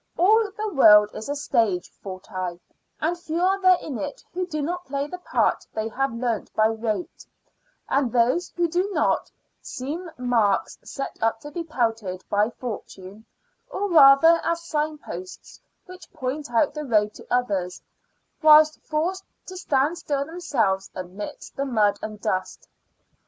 All the world is a stage, thought I; and few are there in it who do not play the part they have learnt by rote; and those who do not, seem marks set up to be pelted at by fortune, or rather as sign posts which point out the road to others, whilst forced to stand still themselves amidst the mud and dust.